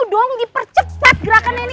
aduh ayo dong dipercepat gerakan ini